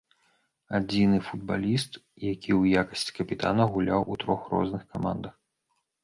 Адзіны футбаліст, які ў якасці капітана гуляў у трох розных камандах.